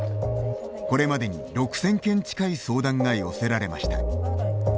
これまでに６，０００件近い相談が寄せられました。